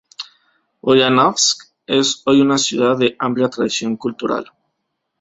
Uliánovsk es hoy una ciudad de amplia tradición cultural.